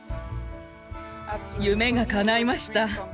夢がかないました。